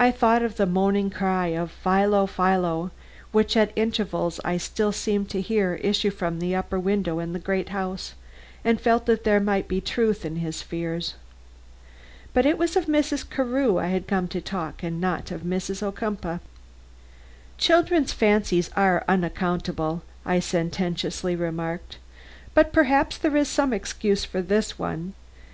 I thought of the moaning cry of "Philo! Philo!" which at intervals I still seemed to hear issue from that upper window in the great house, and felt that there might be truth in his fears. But it was of Mrs. Carew I had come to talk and not of Mrs. Ocumpaugh. "Children's fancies are unaccountable," I sententiously remarked; "but perhaps there is some excuse for this one.